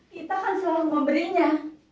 kita kan selalu memberinya